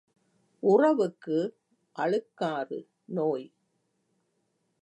உறவுக்கு, அழுக்காறு நோய்.